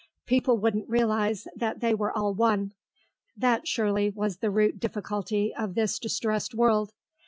People wouldn't realise that they were all one; that, surely, was the root difficulty of this distressed world.